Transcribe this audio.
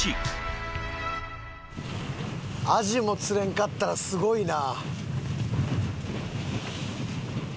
アジも釣れんかったらすごいな。